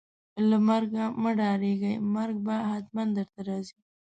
له مرګ مه ډاریږئ ، مرګ به ختمن درته راځي